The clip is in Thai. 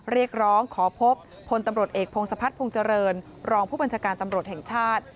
เรียกร้องขอพบพลตำรวจเอกพงศพัฒนภงเจริญรองผู้บัญชาการตำรวจแห่งชาติ